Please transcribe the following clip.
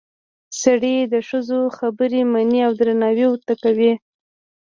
سړي د ښځو خبرې مني او درناوی ورته کوي